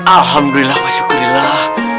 alhamdulillah wa syukurillah